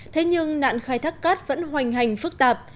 thế nhưng nạn khai thác cát vẫn hoành hành phức tạp